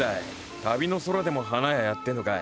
旅の空でも花屋やってんのかい。